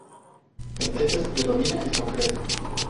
En techos predomina el concreto.